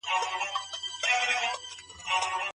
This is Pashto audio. ولي زیارکښ کس د هوښیار انسان په پرتله موخي ترلاسه کوي؟